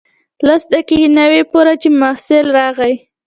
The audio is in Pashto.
لس دقیقې نه وې پوره چې محصل راغی.